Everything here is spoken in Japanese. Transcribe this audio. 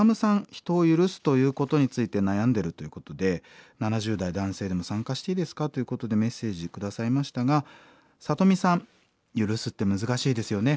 人を許すということについて悩んでるということで７０代男性でも参加していいですかということでメッセージ下さいましたがサトミさん「許すって難しいですよね。